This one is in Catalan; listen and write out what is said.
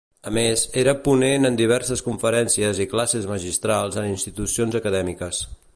A més, era ponent en diverses conferències i classes magistrals en institucions acadèmiques.